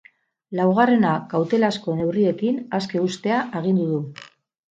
Laugarrena kautelazko neurriekin aske uztea agindu du.